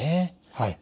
はい。